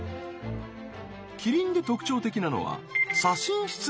キリンで特徴的なのは左心室の壁の厚さ。